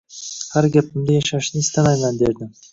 Har gapimda Yashashni istamayman, derdim